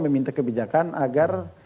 meminta kebijakan agar